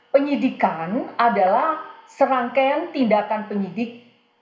penyidikan adalah serangkaian tindakan penyidik